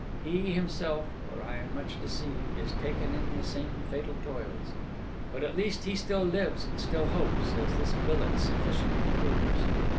He himself, or I am much deceived, is taken in the same fatal toils. But at least he still lives and still hopes, as this billet sufficiently proves."